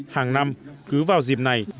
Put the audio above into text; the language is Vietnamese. hàng năm cứ vào dịp này